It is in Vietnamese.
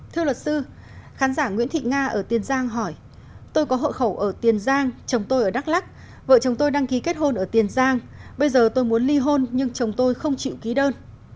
thưa luật sư khán giả nguyễn thị nga ở tiền giang hỏi tôi có hộ khẩu ở tiền giang chồng tôi ở đắk lắc vợ chồng tôi đăng ký kết hôn ở tiền giang bây giờ tôi muốn ly hôn nhưng chồng tôi không chịu ký đơn